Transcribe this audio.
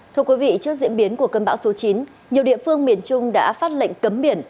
thưa quý vị trước diễn biến của cơn bão số chín nhiều địa phương miền trung đã phát lệnh cấm biển